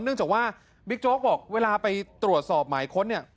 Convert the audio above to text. เนื่องจากว่าบิ๊กโจ๊กบอกเวลาไปตรวจสอบหมายค้นเนี่ย